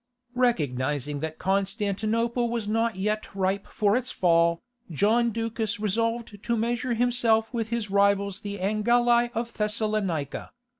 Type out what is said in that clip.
Recognizing that Constantinople was not yet ripe for its fall, John Ducas resolved to measure himself with his rivals the Angeli of Thessalonica.